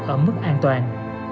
ở mức an toàn